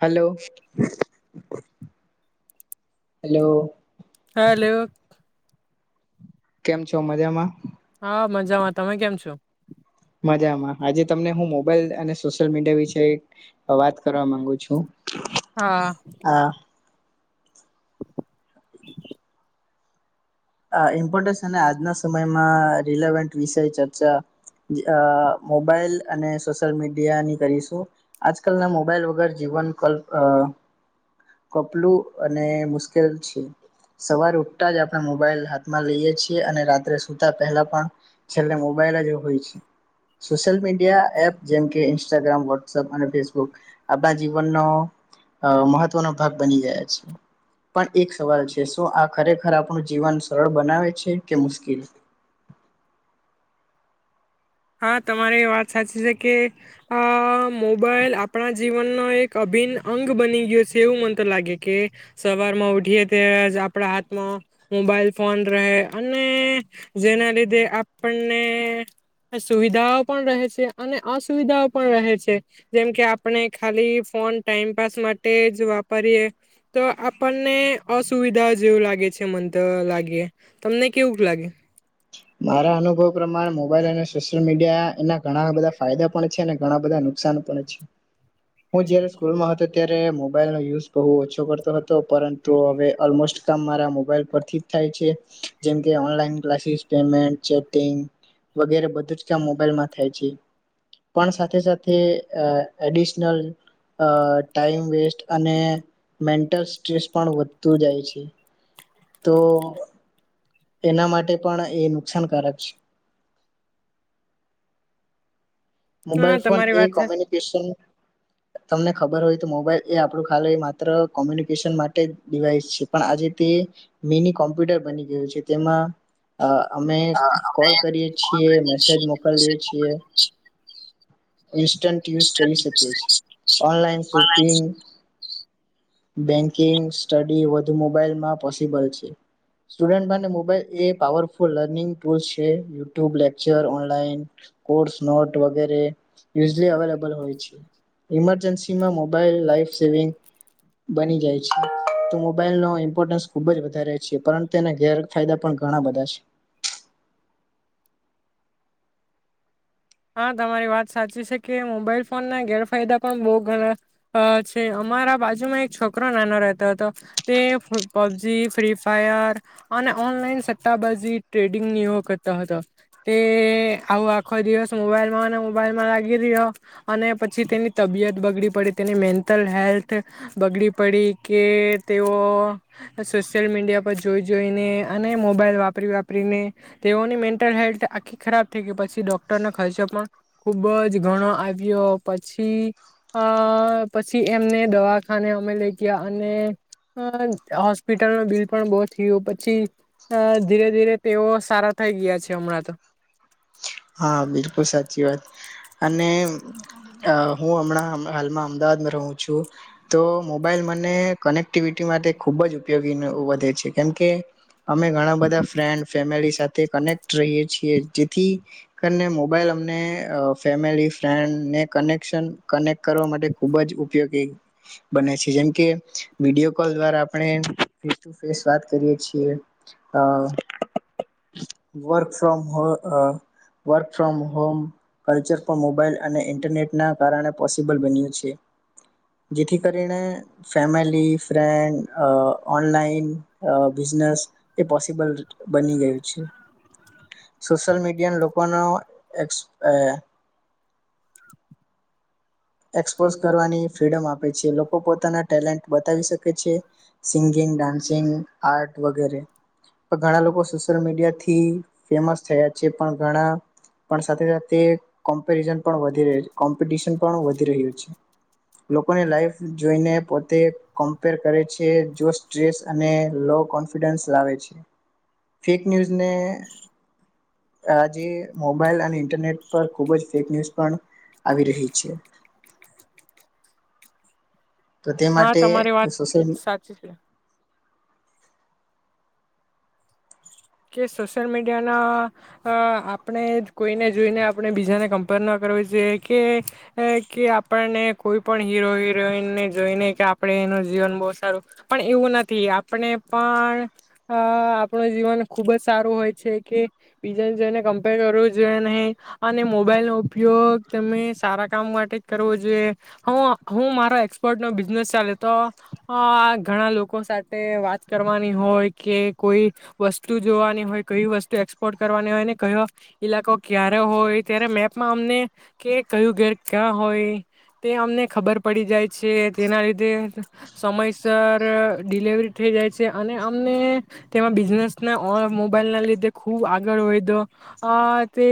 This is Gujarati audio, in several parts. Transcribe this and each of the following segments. હલો હલો હેલો કેમ છો મજામાં હા મજામાં તમે કેમ છો મજામાં આજે તમને હું મોબાઈલ અને સોશિયલ મીડિયા વિશે એક વાત કરવા માંગુ છું હા આ આ ઇમ્પોર્ટસ અને આજના સમયમાં રિલેવેન્ટ વિષ ચર્ચા મોબાઈલ અને સોશિયલ મીડિયાની કરીશું આજકાલના મોબાઈલ વગર જીવનલ્ કોપલું અને મુશ્કેલ છે સવારે ઉઠતા જ આપણે મોબાઇલ હાથમાં લઈએ છીએ અને રાત્રે સુતા પહેલા પણ છેલ્લે મોબાઈલ જ હોય છે સોશિયલ મીડિયા એપ જેમકે ઇન્સ્ટાગ્રામ વોટ્સપ અને ફેસબુક આપણા જીવનનો મહત્વનો ભાગ બની ગયા છે પણ એક સવાલ છે શું આ ખરેખર આપણું જીવન સરળ બનાવે છે કે મુશ્કીલ હા તમારે એ વાત સાચી છે કે આ મોબાઈલ આપણા જીવનનો એક અભિન્ન અંગ બની ગયો છે એવું મન તો લાગે કે સવારમાં ઉઠીએ ત્યારે જ આપણા હાથમાં મોબાઈલ ફોન રહે અને જેના લીધે આપણને સુવિધાઓ પણ રહે છે અને અસુવિધાઓ પણ રહે છે જેમ કે આપણે ખાલી ફોન ટાઈમપાસ માટે જ વાપરીએ તો આપણને અસુવિધાઓ જેવું લાગે છે મંત લાગીએ તમને કેવું લાગે મારા અનુભવ પ્રમાણે મોબાઈલ અને સોશલ મીડિયા એના ઘણા બધા ફાયદા પણ છે અને ઘણા બધા નુકસાન પણ છે હું જારે સ્કૂલમાં હતો ત્યારે મોબાઈલ ન યુઝ બુ ઓછો કરતો હતો પરંતુ હવે ઓલમોસ્ટ કામ મારા મોબાઈલ પરથી થાય છે જેમકે ઓનલાઈન ક્લાસીસ પેમેન્ટ ચેટિંગ વગેરે બધું જ કામ મોબાઈલમાં થાય છે પણ સાથે સાથે એડિશનલ ટાઈમ વેસ્ટ અને મેન્ટલ સ્ટ્રેસ પણ વધતું જાય છે તો એના માટે પણ એ નુકસાનકારક છે મોબાઈલ હા ફોન તમારી એ વાત સાચી કોમ્યુનિકેશન તમને ખબર હોય તો મોબાઈલ એ આપણું ખાલે માત્ર કોમ્યુનિકેશન માટે ડિવાઈસ છે પણ આજે તે મિની કોમ્પ્યુટર બની ગયું છે તેમાં અમે કોલ કરીએ છીએ મેસેજ મોકલીએ છીએ ઇન્સ્ટન્ટ યુઝ કરી શકી છે ઓનલાઈન શોપિંગ બેન્કિંગ સ્ટડી વધુ મોબાઈલમાં પોસિબલ છે સ્ટુડન્ટ માટે મોબાઈલ એ પાવરફુલ લર્નિંગ ટુ છે YouTube lecture online course note વગેરે યુશલી અવેલેબલ હોય છે ઈમરજન્સીમાં મોબલ લાઈફ સેવિગ બની જાય છે મોબલ ન ઇમ્પોર્ટસ ખુબ જ વધારે છે પરંતુ તેના ગેર ફાયદા પણ ઘણા બધા છે હા તમારી વાત સાચી છે કે મોબાઈલ ફોન ના ગેરફાયદા પણ બહુ ઘણા છે અમારા બાજુમાં એક છોકરો નાનો રહેતો હતો તે પબજી ફ્રી ફાયર અને ઓનલાઈન સટ્ટાબાજી ટ્રેડિંગ કરતા હતા તે આવો આખો દિવસ મોબાઈલમાં અને મોબાઈલમાં લાગી રહ્યો અને પછી તેની તબિયત બગડી પડી તેની મેન્ટલ હેલ્થ બગડી પડી કે તેઓ સોશિયલ મીડિયા પર જોઈ જોઈને અને મોબાઈલ વાપરી વાપરીને તેઓની મેન્ટલ હેલ્થ આખી ખરાબ થઈ ગઈ પછી ડૉક ડૉક્ટર નો ખર્ચો પણ ખુબ જ ઘણો આવ્યો પછી પછી એમને દવાખાને અમે લઈ ગયા અને હોસ્પિટલ ન બિલ પણ બહુ થયું પછી ધીરે ધીરે તેઓ સારા થઈ ગયા છે હમણાં તો હા બિલકુલ સાચી વાત અને હું હમણાં હાલમાં અમદાવાદમાં રહું છું તો મોબાઈલ મને કનેક્ટિવિટી માટે ખૂબ જ ઉપયોગી વધે છે કેમકે અમે ઘણા બધા ફ્રેન્ડ ફેમિલી સાથે તે કનેક્ટ રહીએ છીએ જેથી હેન્ને મોબાઈલ અમને અ ફેમિલી ફ્રેન્ડને કનેક્શન કનેક્ટ કરવા માટે ખુબ જ ઉપયોગી બને છે. જેમકે વિડીયો કોલ દ્વારા આપણે ફેસ ટુ ફેસ વાત કરીએ છીએ. અ વર્ક ફ્રોમ હોમ અ વર્ક ફ્રોમ હોમ કલ્ચર પણ મોબાઈલ અને ઇન્ટરનેટના કારણે પોસિબલ બન્યું છે. જેથી કરીને ફેમિલી ફ્રેન્ડ અ ઓનલાઈન અ બિઝનેસ એ પોસિબલ બની ગયું છે સોશલ મીડિયાન લો ઓનો એક્સ અયા એક્સપોઝ કરવાની ફ્રીડમ આપે છે. લોકો પોતાના ટેલેન્ટ બતાવી શકે છે. સિંગિંગ, ડાન્સિંગ, આર્ટ વગેરે. ઘણા લોકો સોશિયલ મીડિયાથી ફેમસ થયા છે, પણ ઘણા પણ સાથે સાથે કોમ્પેરીઝન પણ વધી રહી કોમ્પિટશન પણ વધી રહ્યું છે. લોકોની લાઈફ જોઈને પોતે કમ્પેર કરે છે. જો સ્ટ્રેસ અને લો કોન્ફિડન્સ લાવે છે. ફેક ન્યૂઝને આજે મોબાઈલ અને ઇન્ટરનેટ પર ખૂબ જ ફેક ન્યૂઝ પણ આવી રહી છે. તો તે હા માટે તમારી વાત સોશલ સાચી છે. કે સોશિયલ મીડિયાના અ આપને જ કોઈને જોઈને આપણે બીજાને કમ્પેર ન કરવી જોઈએ કે કે આપણને કોઈ પણ હીરો હિરોઈનને જોઈને કે આપણે એનું જીવન બહુ સારું પણ એવું નથી આપને પણ અ આપણું જીવન ખૂબ જ સારું હોય છે કે બીજા જેને કમ્પેર કરવું જોઈએ નહીં અને મોબાઈલનો ઉપયોગ તમે સારા કામ માટે જ કરવો જોઈએ. હું હું મારો એક્સપોર્ટનો બિઝનેસ ચાલે તો અ આ ઘણા લોકો સાથે વાત કરવાની હોય કે કોઈ વસ્તુ વસ્તુ જોવાની હોય કઈ વસ્તુ એક્સપોર્ટ કરવાની હોય ને કયો ઈલાકો ક્યારે હોય ત્યારે મેપમાં અમને કે કયું ઘેર ક્યાં હોય તે અમને ખબર પડી જાય છે. તેના લીધે સમયસર ડિલેવરી થઈ જાય છે અને અમને તેમાં બિઝનેસ મેં ઓલ મોબાઈલના લીધે ખૂબ આગળ વયધો. આ તે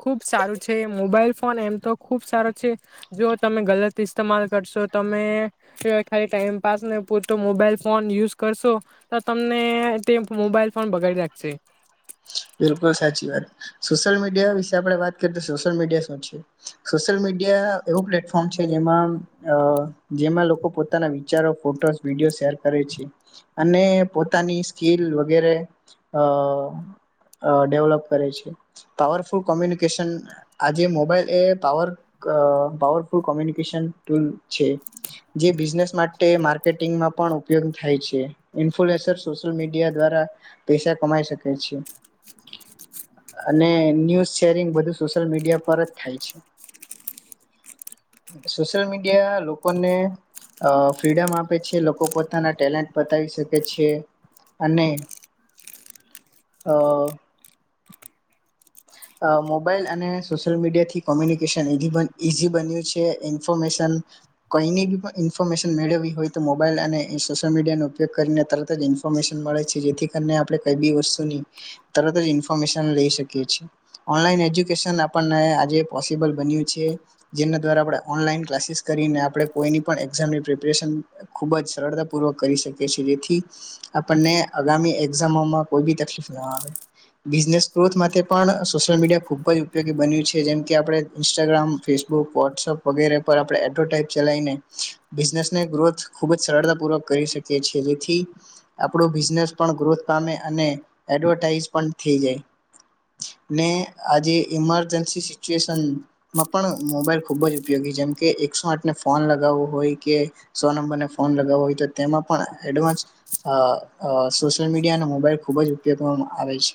ખૂબ સારું છે. મોબાઈલ ફોન એમ તો ખૂબ સારો છે. જો તમે ગલત ઇસ્તેમાલ કરશો તમે કે ખાલી ટાઈમપાસને પૂરતો મોબાઈલ ફોન યુઝ કરશો તો તમને તે મોબાઈલ પણ પણ બગાડી રાખશે. બિલકુલ સાચી વાત. સોશિયલ મીડિયા વિશ આપણે વાત કરીએ તો સોશિયલ મીડિયા શું છે સોશિયલ મીડિયા એવું પ્લેટફોર્મ છે જેમાં અ જેમાં લોકો પોતાના વિચારો ફોટોસ વિડીયો શેર કરે છે અને પોતાની સ્કીલ વગેરે અ ડેવલપ કરે છે પાવરફુલ કોમ્યુનિકેશન આજે મોબાઈલ એ અ ડેવલોપ કરે છે. પાવરફુલ કોમ્યુનિકેશન આજે મોબાઈલ એ પાવર અ પાવરફુલ કોમ્યુનિકેશન ટૂલ છે. જે બિઝનેસ માટે માર્કેટિંગમાં પણ ઉપયોગી થાય છે. ઈન્ફ્લુએસર સોશયલ મીડિયા દ્વારા પૈસા કમાઈ શકે છે. અને ન્યૂઝ શેરિંગ બધું સોશલ મીડિયા પર જ થાય છે. સોશયલ મીડિયા લોકોને અ ફ્રીડમ આપે છે લોકો પોતાના ટેલેન્ટ પ તાવી શકે છે અને હવ. અ મોબાઈલ અને સોશિયલ મીડિયાથી કોમ્યુનિકેશન ઈઝી બન ઈઝી બન્યું છે. ઇન્ફોર્મેશન કોઈની બી પણ ઇન્ફોર્મેશન મેળવવી હોય તો મોબાઈલ અને ઈ સોશિયલ મીડિયાનો ઉપયોગ કરીને તરત જ ઇન્ફોર્મેશન મળે છે. જેથી કરીને આપણે કઈ બી વસ્તુની તરત જ ઇન્ફોર્મેશન લઈ શકીએ થ્યું છે. ઓનલાઈન એજ્યુકેશન આપણને આજે પોસીબલ બન્યું છે. જેના દ્વારા આપડા ઓનલાઈન ક્લાસીસ કરીને આપડે કોઈની પણ એક્ઝામની પ્રિપરેશન ખુબ જ સરળતાપૂર્વક કરી શકીએ છીએ. જેથી આપણને અગામી એક્ઝામોમાં કોઈ બી તકલીફ નો આવે બિઝનેસ ગ્રોથ માટે પણ સોશિયલ મીડિયા ખૂબ જ ઉપયોગી બન્યું છે. જેમ કે આપણે ઇન્સ્ટાગ્રામ, ફેસબુક, વોટ્સઅપ વગેરે પર આપણે એડવટાઈપ ચલાવીને બિઝનેસને ગ્રોથ ખૂબ જ સરળતા પૂર્વક કરી શકીએ છીએ. જેથી આપડો બિઝનેસ પણ ગ્રોથ પામે અને એડવટાઈઝ પણ થઈ જાય. ને આજે ઈમરજન્સી સિચ્યુએશનમાં પણ મોબાઈલ ખુબ જ ઉપયોગી જેમકે એકસો આઠને ફોન લગાવવો હોય કે સો નંબરને ફોન લગાવવો હોય તો તેમાં પણ એડવાન્સ અ અ સોશિયલ મીડિયા અને મોબાઈલ ખુબ જ ઉપયોગમાં આવે છે.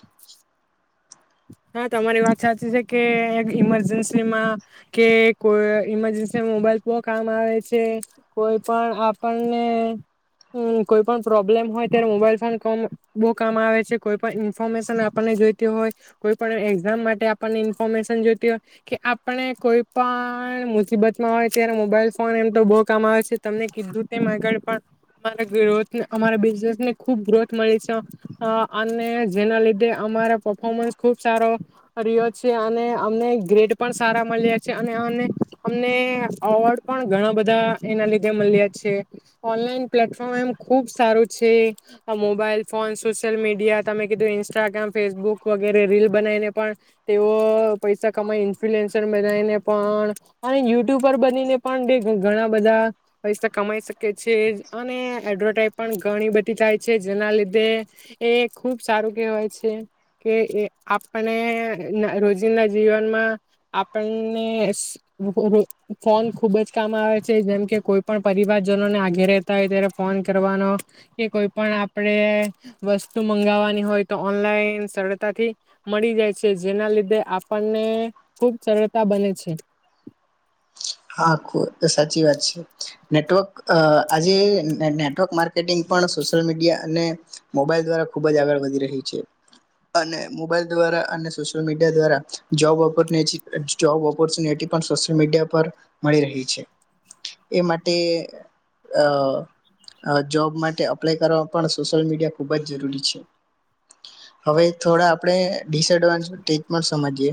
હા, તમારી વાત સાચી છે કે એક ઈમરજન્સીમાં કે કોઈ ઈમરજન્સી મોબાઈલ બહુ કામ આવે છે. કોઈ પણ આપણને હમ કોઈ પણ પ્રોબ્લેમ હોય ત્યારે મોબાઈલ ફોન બહુ કામ આવે છે કોઈ પણ ઇન્ફોર્મેશન આપણને જોઈતી હોય કોઈ પણ એક્ઝામ માટે આપણને ઇન્ફોર્મેશન જોઈતી હોય કે આપણે કોઈ પણ મુસીબતમાં હોય ત્યારે મોબાઈલ ફોન એમ તો બહુ કામ આવે છે તમને કીધું તેમ આગળ પણ અમારા ગ્રોથ અમારા બિઝનેસને ખૂબ ગ્રોથ મળી છ આ અને જેના લીધે અમારા પફોર્મન્સ ખુબ સારો રિયો છે અને અમને ગ્રેડ પણ સારા મલ્યા છે. અને અને અમને અવોર્ડ પણ ઘણા બધા એના લીધે મલ્યા છે. ઓનલાઈન પ્લેટફોર્મ એમ ખૂબ સારું છે. મોબાઈલ ફોન સોશિયલ મીડિયા તમે કીધું ઇન્સ્ટાગ્રામ ફેસબુક વગ રેરે રીલ બનાઈને પણ તેઓ પૈસા કમાઈ ઇન્ફલુએન્સર બનાઈને પણ અને યુટ્યુબર બનીને પણ તેધ ઘણા બધા પૈસા કમાઈ શકે છે અને એડવટાઈ પણ ઘણી બધી થાય છે જેના લીધે એ ખુબ સારું કેહવાય છે. કે એ આપણને રોજિંદા જીવનમાં આપણને એસ ઉ રો ફોન ખુબ જ કામ આવે છે જેમ કે કોઈ પણ પરિવારજનોને આગે રહેતા હોય ત્યારે ફોન કરવાનો કે કોઈ પણ આપરે વસ્તુ મંગાવવાની હોય તો ઓનલાઈન સરળતાથી મળી જાય છે જેના લીધે આપણને ખૂબ સરળતા બને છે. હા, ખુ સાચી વાત છે નેટવર્ક અ આજે ને નેટવર્ક માર્કેટિંગ પણ સોશલ મીડિયા અને મોબાઈલ દ્વારા ખૂબ જ આગળ વધી રહી છે. અને મોબાઈલ દ્વારા અને સોશયલ મીડિયા દ્વારા જોબ ઓપરનેચી જોબ ઓપરચ્યુનેટી પણ સોશયલ મીડિયા પર મળી રહી છે. એ માટે અ અ જોબ માટે અપ્લાય કરવા પણ સોશિયલ મીડિયા ખુબ જ જરૂરી છે. હવે થોડા આપણે ડિસએડવાન્જ સ્ટેજ પણ સમજીએ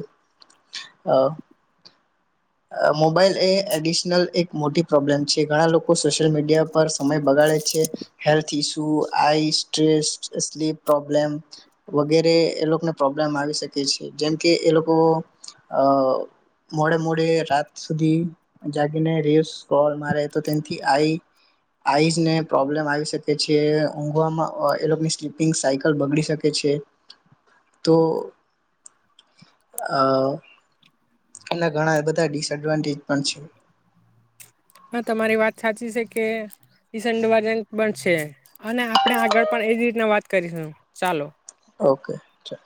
અ આ મોબાઈલ એ એડિશનલ એક મોટી પ્રોબ્લેમ છે. ઘણા લોકો સોશ્યલ મીડિયા પર સમય બગાડે છે health issue eye stress, sleep problem વગેરે એ લોકોને પ્રોબ્લેમ આવી શકે છે. જેમકે એ લોકો અ મોડે મોડે રાત સુધી જાગીને રેસ કોલ મારે તો તેનથી આઈ આઈઝ ને પ્રોબ્લેમ આવી શકે છે. ઊંઘવામાં ઓઅ એ લોકની સ્લીપિંગ સાયકલ બગડી શકે છે તો અ એના ઘણાબધા ડિસએડવાન્ટેજ પછી હા, તમારી વાત સાચી છે. કે ડિસએન્ડવાજંટ પણ છે અને આપણે આગળ પણ એજ રીતના વાત કરીશું. ચાલો ઓકે છે.